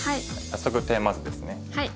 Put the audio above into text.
早速テーマ図ですね。